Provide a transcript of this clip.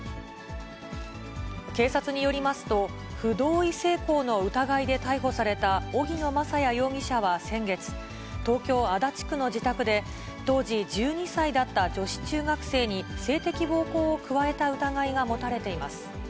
警察によりますと、不同意性交の疑いで逮捕された荻野真也容疑者は先月、東京・足立区の自宅で当時１２歳だった女子中学生に性的暴行を加えた疑いが持たれています。